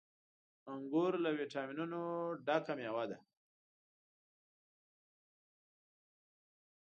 • انګور له ويټامينونو ډک مېوه ده.